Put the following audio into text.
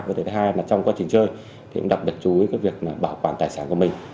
và thứ hai là trong quá trình chơi thì cũng đặc biệt chú ý việc bảo quản tài sản của mình